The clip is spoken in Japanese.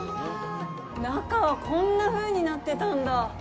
中はこんなふうになってたんだ。